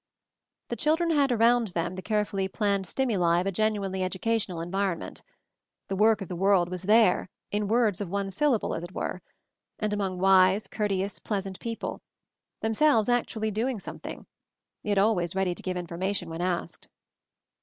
The children had around them the care fully planned stimuli of a genuinely educa tional environment. The work of the world was there, in words of one syllable, as it were; and among wise, courteous, pleasant people, themselves actually doing some thing, yet always ready to give information when asked.